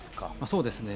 そうですね。